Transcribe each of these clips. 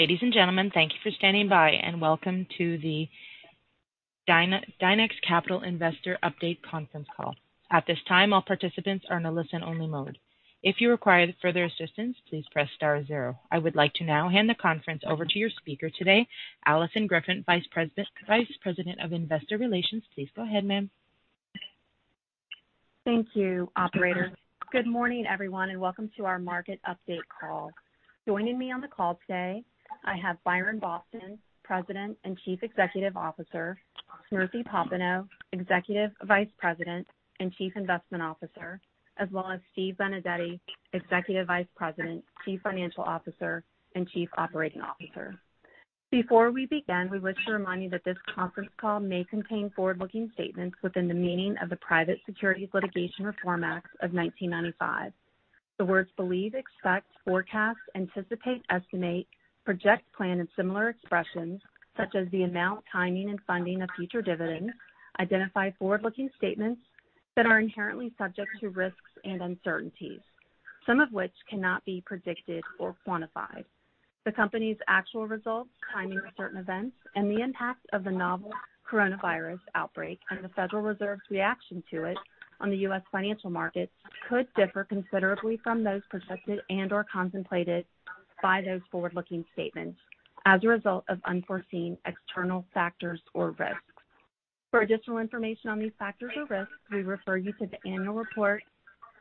Ladies and gentlemen, thank you for standing by and welcome to the Dynex Capital Investor Update Conference Call. At this time, all participants are in a listen-only mode. If you require further assistance, please press star zero. I would like to now hand the conference over to your speaker today, Alison Griffin, Vice President of Investor Relations. Please go ahead, ma'am. Thank you, operator. Good morning, everyone, and welcome to our market update call. Joining me on the call today, I have Byron Boston, President and Chief Executive Officer, Smriti Popenoe, Executive Vice President and Chief Investment Officer, as well as Steve Benedetti, Executive Vice President, Chief Financial Officer, and Chief Operating Officer. Before we begin, we wish to remind you that this conference call may contain forward-looking statements within the meaning of the Private Securities Litigation Reform Act of 1995. The words believe, expect, forecast, anticipate, estimate, project, plan, and similar expressions such as the amount, timing, and funding of future dividends identify forward-looking statements that are inherently subject to risks and uncertainties, some of which cannot be predicted or quantified. The company's actual results, timing of certain events, and the impact of the novel coronavirus outbreak and the Federal Reserve's reaction to it on the U.S. financial markets could differ considerably from those projected and/or contemplated by those forward-looking statements as a result of unforeseen external factors or risks. For additional information on these factors or risks, we refer you to the annual report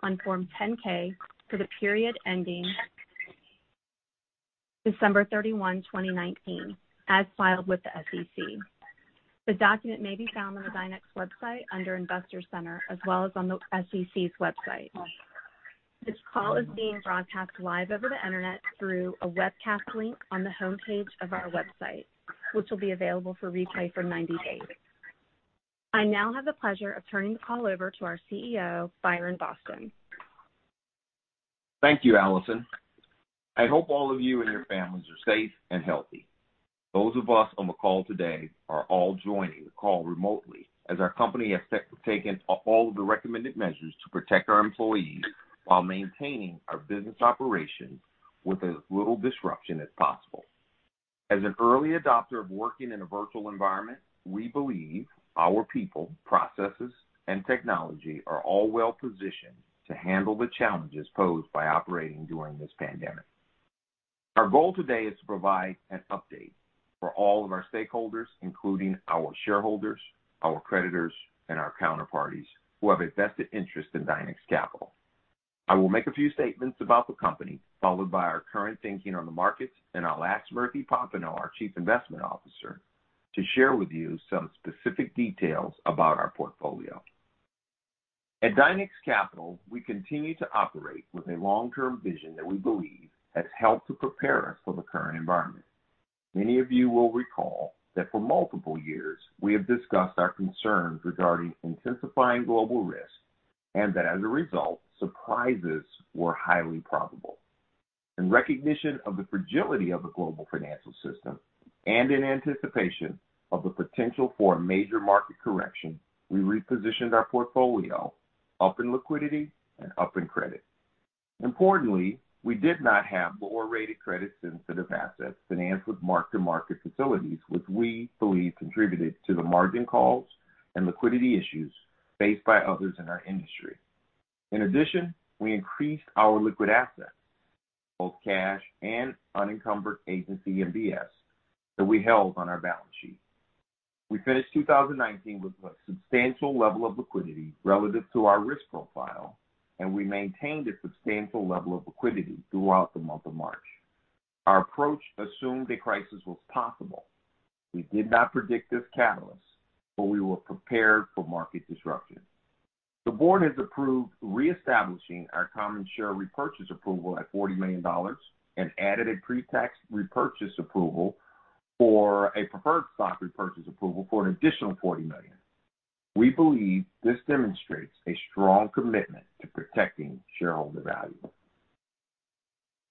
on Form 10-K for the period ending December 31, 2019, as filed with the SEC. The document may be found on the Dynex website under Investor Center as well as on the SEC's website. This call is being broadcast live over the internet through a webcast link on the homepage of our website, which will be available for replay for 90 days. I now have the pleasure of turning the call over to our CEO, Byron Boston. Thank you, Alison. I hope all of you and your families are safe and healthy. Those of us on the call today are all joining the call remotely as our company has taken all of the recommended measures to protect our employees while maintaining our business operations with as little disruption as possible. As an early adopter of working in a virtual environment, we believe our people, processes, and technology are all well-positioned to handle the challenges posed by operating during this pandemic. Our goal today is to provide an update for all of our stakeholders, including our shareholders, our creditors, and our counterparties who have a vested interest in Dynex Capital. I will make a few statements about the company, followed by our current thinking on the markets, and I'll ask Smriti Popenoe, our Chief Investment Officer, to share with you some specific details about our portfolio. At Dynex Capital, we continue to operate with a long-term vision that we believe has helped to prepare us for the current environment. Many of you will recall that for multiple years, we have discussed our concerns regarding intensifying global risks and that as a result, surprises were highly probable. In recognition of the fragility of the global financial system and in anticipation of the potential for a major market correction, we repositioned our portfolio up in liquidity and up in credit. Importantly, we did not have lower-rated credit-sensitive assets financed with mark-to-market facilities, which we believe contributed to the margin calls and liquidity issues faced by others in our industry. In addition, we increased our liquid assets, both cash and unencumbered agency MBS, that we held on our balance sheet. We finished 2019 with a substantial level of liquidity relative to our risk profile, and we maintained a substantial level of liquidity throughout the month of March. Our approach assumed a crisis was possible. We did not predict this catalyst, but we were prepared for market disruption. The board has approved reestablishing our common share repurchase approval at $40 million and added a pre-tax repurchase approval for a preferred stock repurchase approval for an additional $40 million. We believe this demonstrates a strong commitment to protecting shareholder value.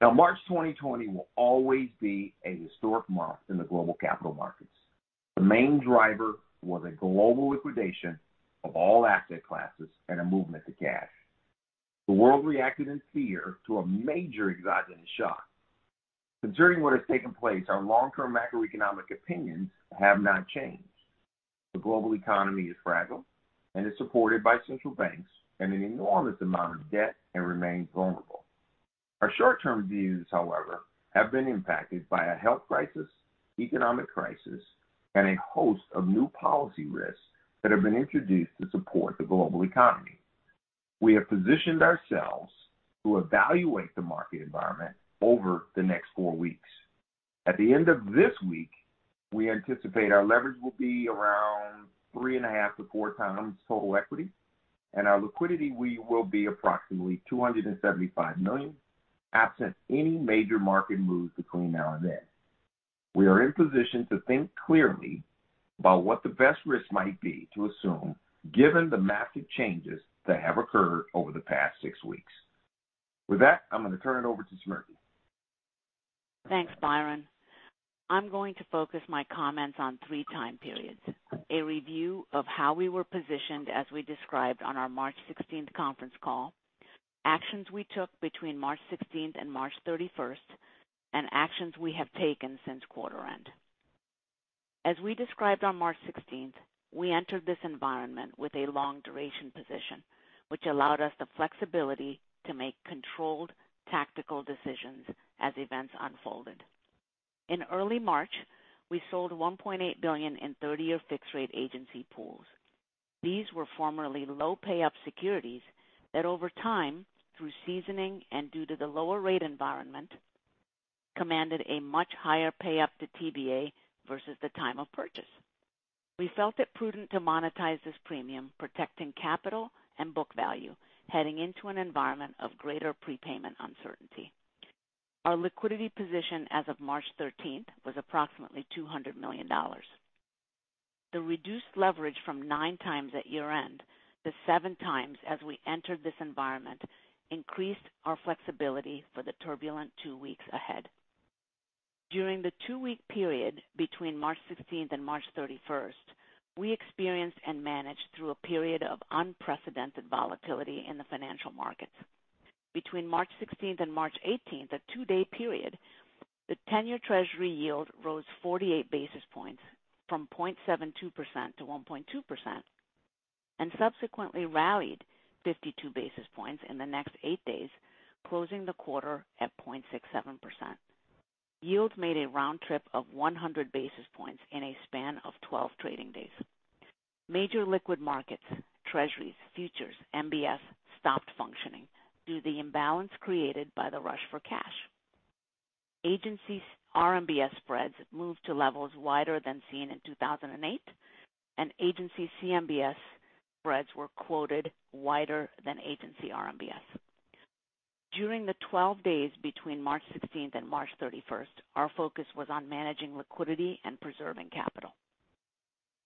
Now, March 2020 will always be a historic month in the global capital markets. The main driver was a global liquidation of all asset classes and a movement to cash. The world reacted in fear to a major exogenous shock. Considering what has taken place, our long-term macroeconomic opinions have not changed. The global economy is fragile and is supported by central banks and an enormous amount of debt and remains vulnerable. Our short-term views, however, have been impacted by a health crisis, economic crisis, and a host of new policy risks that have been introduced to support the global economy. We have positioned ourselves to evaluate the market environment over the next four weeks. At the end of this week, we anticipate our leverage will be around 3.5x to 4x total equity, and our liquidity will be approximately $275 million, absent any major market moves between now and then. We are in position to think clearly about what the best risks might be to assume given the massive changes that have occurred over the past six weeks. With that, I'm going to turn it over to Smriti. Thanks, Byron. I'm going to focus my comments on three time periods. A review of how we were positioned as we described on our March 16th conference call. Actions we took between March 16th and March 31st, and actions we have taken since quarter end. As we described on March 16th, we entered this environment with a long-duration position, which allowed us the flexibility to make controlled tactical decisions as events unfolded. In early March, we sold $1.8 billion in 30-year fixed-rate agency pools. These were formerly low pay-up securities that over time, through seasoning and due to the lower rate environment, commanded a much higher pay-up to TBA versus the time of purchase. We felt it prudent to monetize this premium, protecting capital and book value, heading into an environment of greater prepayment uncertainty. Our liquidity position as of March 13th was approximately $200 million. The reduced leverage from nine times at year-end to seven times as we entered this environment increased our flexibility for the turbulent two weeks ahead. During the two-week period between March 16th and March 31st, we experienced and managed through a period of unprecedented volatility in the financial markets. Between March 16th and March 18th, a two-day period, the 10-year Treasury yield rose 48 basis points from 0.72% to 1.2%, and subsequently rallied 52 basis points in the next eight days, closing the quarter at 0.67%. Yields made a round trip of 100 basis points in a span of 12 trading days. Major liquid markets, Treasuries, futures, MBS, stopped functioning due to the imbalance created by the rush for cash. Agency RMBS spreads moved to levels wider than seen in 2008, and agency CMBS spreads were quoted wider than agency RMBS. During the 12 days between March 16th and March 31st, our focus was on managing liquidity and preserving capital.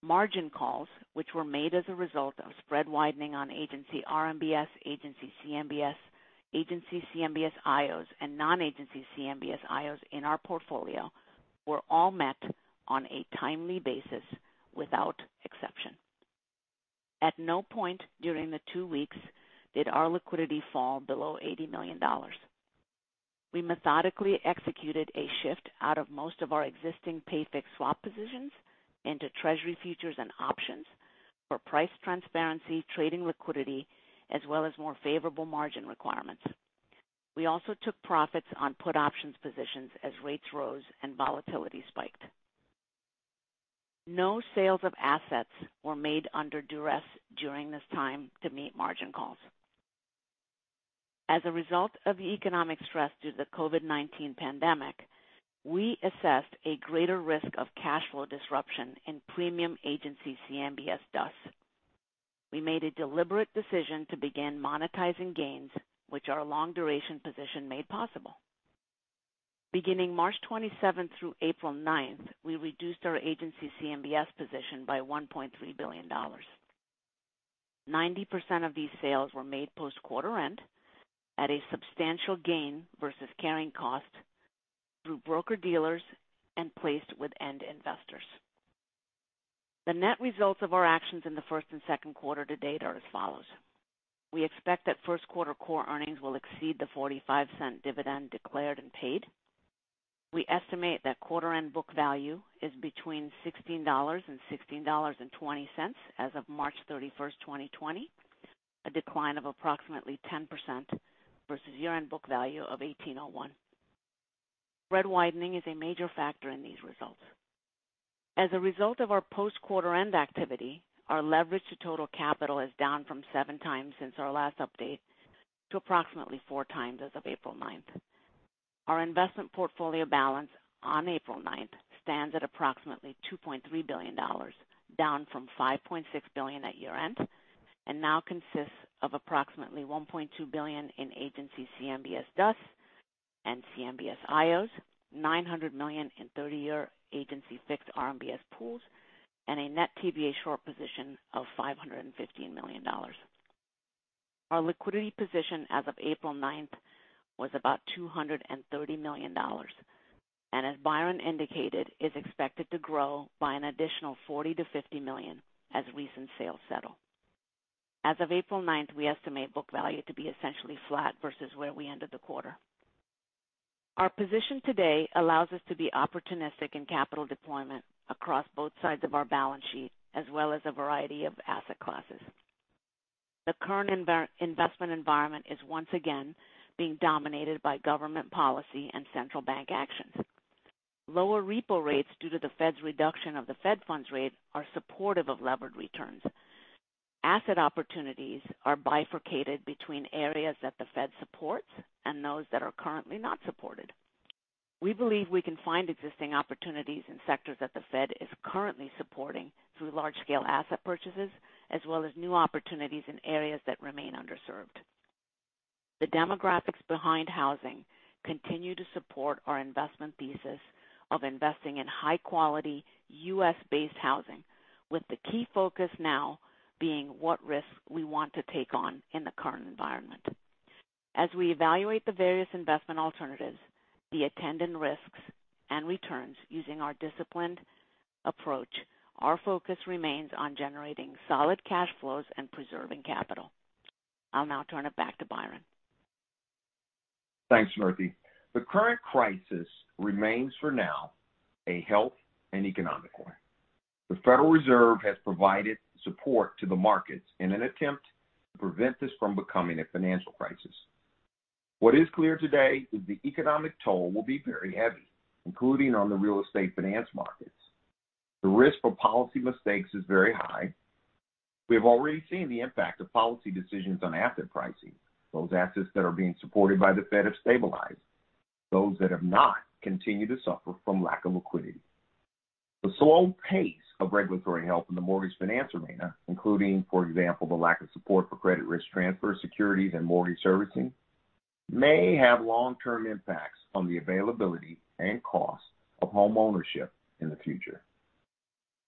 Margin calls, which were made as a result of spread widening on agency RMBS, agency CMBS, agency CMBS IOs, and non-agency CMBS IOs in our portfolio, were all met on a timely basis without exception. At no point during the two weeks did our liquidity fall below $80 million. We methodically executed a shift out of most of our existing pay fixed swap positions into Treasury futures and options for price transparency, trading liquidity, as well as more favorable margin requirements. We also took profits on put options positions as rates rose and volatility spiked. No sales of assets were made under duress during this time to meet margin calls. As a result of the economic stress due to the COVID-19 pandemic, we assessed a greater risk of cash flow disruption in premium agency CMBS DUS. We made a deliberate decision to begin monetizing gains, which our long-duration position made possible. Beginning March 27th through April 9th, we reduced our agency CMBS position by $1.3 billion. 90% of these sales were made post quarter-end at a substantial gain versus carrying cost through broker-dealers and placed with end investors. The net results of our actions in the first and second quarter to date are as follows. We expect that first quarter core earnings will exceed the $0.45 dividend declared and paid. We estimate that quarter-end book value is between $16 and $16.20 as of March 31st, 2020, a decline of approximately 10% versus year-end book value of $18.01. Spread widening is a major factor in these results. As a result of our post quarter-end activity, our leverage to total capital is down from seven times since our last update to approximately four times as of April 9th. Our investment portfolio balance on April 9th stands at approximately $2.3 billion, down from $5.6 billion at year-end, and now consists of approximately $1.2 billion in agency CMBS DUS and CMBS IOs, $900 million in 30-year agency fixed RMBS pools, and a net TBA short position of $550 million. Our liquidity position as of April 9th was about $230 million, and as Byron indicated, is expected to grow by an additional $40 million to $50 million as recent sales settle. As of April 9th, we estimate book value to be essentially flat versus where we ended the quarter. Our position today allows us to be opportunistic in capital deployment across both sides of our balance sheet, as well as a variety of asset classes. The current investment environment is once again being dominated by government policy and central bank actions. Lower repo rates due to the Fed's reduction of the Fed funds rate are supportive of levered returns. Asset opportunities are bifurcated between areas that the Fed supports and those that are currently not supported. We believe we can find existing opportunities in sectors that the Fed is currently supporting through large-scale asset purchases, as well as new opportunities in areas that remain underserved. The demographics behind housing continue to support our investment thesis of investing in high-quality U.S.-based housing, with the key focus now being what risk we want to take on in the current environment. As we evaluate the various investment alternatives, the attendant risks and returns using our disciplined approach. Our focus remains on generating solid cash flows and preserving capital. I'll now turn it back to Byron. Thanks, Smriti. The current crisis remains, for now, a health and economic one. The Federal Reserve has provided support to the markets in an attempt to prevent this from becoming a financial crisis. What is clear today is the economic toll will be very heavy, including on the real estate finance markets. The risk for policy mistakes is very high. We have already seen the impact of policy decisions on asset pricing. Those assets that are being supported by the Fed have stabilized. Those that have not continue to suffer from lack of liquidity. The slow pace of regulatory help in the mortgage finance arena, including, for example, the lack of support for credit risk transfer securities and mortgage servicing, may have long-term impacts on the availability and cost of homeownership in the future.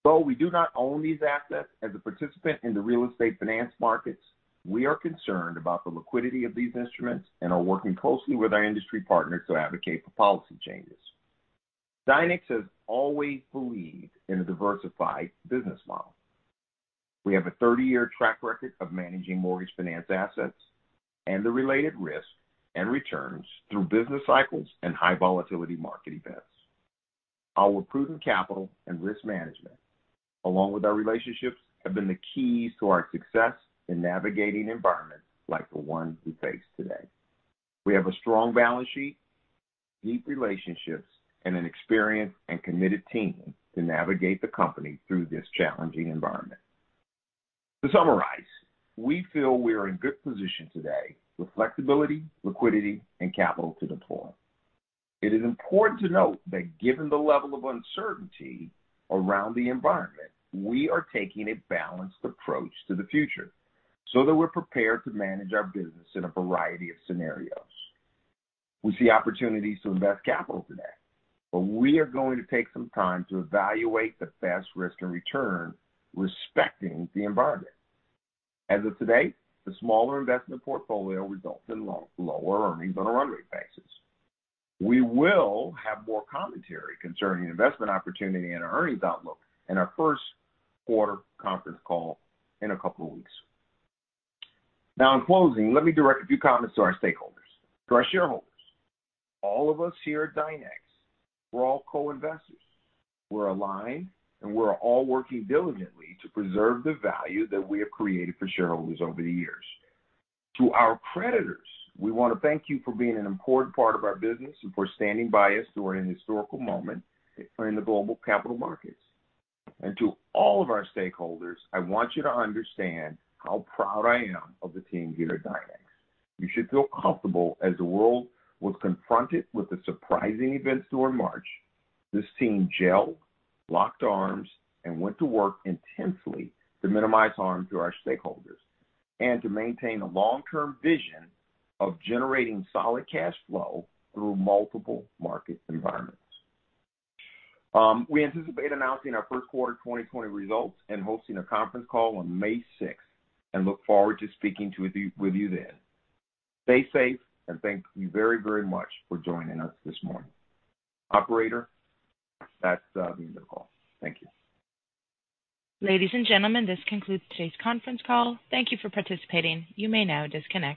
Though we do not own these assets as a participant in the real estate finance markets, we are concerned about the liquidity of these instruments and are working closely with our industry partners to advocate for policy changes. Dynex has always believed in a diversified business model. We have a 30-year track record of managing mortgage finance assets and the related risk and returns through business cycles and high volatility market events. Our prudent capital and risk management, along with our relationships, have been the keys to our success in navigating environments like the one we face today. We have a strong balance sheet, deep relationships, and an experienced and committed team to navigate the company through this challenging environment. To summarize, we feel we are in good position today with flexibility, liquidity, and capital to deploy. It is important to note that given the level of uncertainty around the environment, we are taking a balanced approach to the future so that we're prepared to manage our business in a variety of scenarios. We see opportunities to invest capital today, but we are going to take some time to evaluate the best risk and return, respecting the environment. As of today, the smaller investment portfolio results in lower earnings on a run rate basis. We will have more commentary concerning investment opportunity and our earnings outlook in our first quarter conference call in a couple of weeks. In closing, let me direct a few comments to our stakeholders. To our shareholders, all of us here at Dynex, we're all co-investors. We're aligned, and we're all working diligently to preserve the value that we have created for shareholders over the years. To our creditors, we want to thank you for being an important part of our business and for standing by us during this historical moment in the global capital markets. To all of our stakeholders, I want you to understand how proud I am of the team here at Dynex. You should feel comfortable as the world was confronted with the surprising events during March, this team gelled, locked arms, and went to work intensely to minimize harm to our stakeholders and to maintain a long-term vision of generating solid cash flow through multiple market environments. We anticipate announcing our first quarter 2020 results and hosting a conference call on May 6 and look forward to speaking with you then. Stay safe, thank you very, very much for joining us this morning. Operator, that's the end of the call. Thank you. Ladies and gentlemen, this concludes today's conference call. Thank you for participating. You may now disconnect.